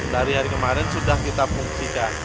dari hari kemarin sudah kita fungsikan